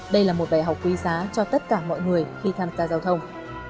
đây là một bài học quý giá cho tất cả mọi người khi tham gia giao thông